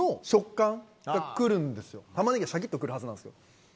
玉ねぎがシャキっとくるはずなんですよ。